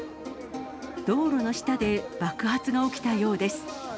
道路の下で爆発が起きたようです。